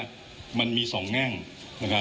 คุณผู้ชมไปฟังผู้ว่ารัฐกาลจังหวัดเชียงรายแถลงตอนนี้ค่ะ